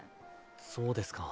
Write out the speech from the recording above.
そうですか。